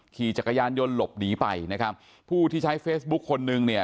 ขี่จักรยานยนต์หลบหนีไปนะครับผู้ที่ใช้เฟซบุ๊คคนนึงเนี่ย